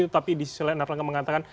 tapi di sisi lain erlangga mengatakan